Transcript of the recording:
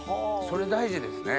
それ大事ですね。